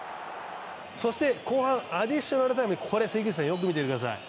そして後半アディショナルタイム、関口さん、よく見ててください。